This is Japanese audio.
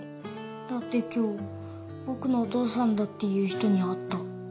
だって今日僕のお父さんだっていう人に会った。